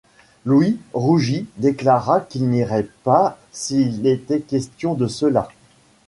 Lui, rougit, déclara qu’il n’irait pas, s’il était question de cela.